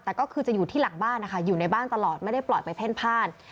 แต่ก็คือจะอยู่ที่หลังบ้านนะคะอยู่ในบ้านตลอดไม่ได้ปล่อยไปเพ่นพ่าน